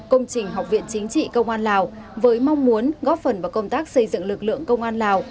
công trình học viện chính trị công an lào với mong muốn góp phần vào công tác xây dựng lực lượng công an lào